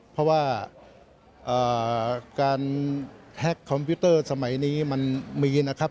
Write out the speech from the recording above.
เพราะว่าการแฮ็กคอมพิวเตอร์สมัยนี้มันมีนะครับ